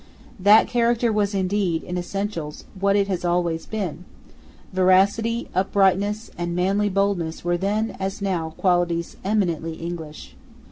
That character was indeed, in essentials, what it has always been. Veracity, uprightness, and manly boldness were then, as now, qualities eminently English.